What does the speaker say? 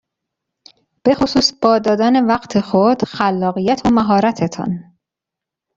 به خصوص با دادن وقت خود، خلاقیت و مهارتتان.